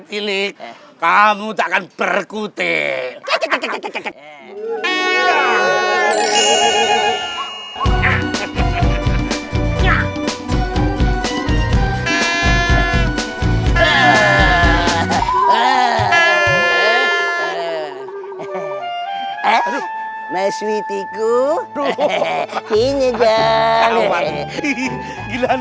ayo gile kamu tekan bergute kekeke brutal